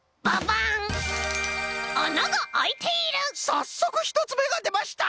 さっそくひとつめがでました！